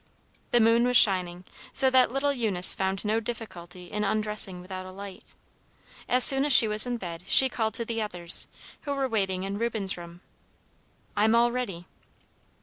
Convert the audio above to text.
The moon was shining, so that little Eunice found no difficulty in undressing without a light. As soon as she was in bed, she called to the others, who were waiting in Reuben's room, "I'm all ready!"